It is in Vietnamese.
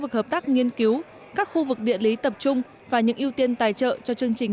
hợp tác nghiên cứu các khu vực địa lý tập trung và những ưu tiên tài trợ cho chương trình